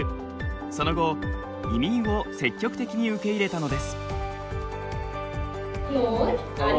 その後移民を積極的に受け入れたのです。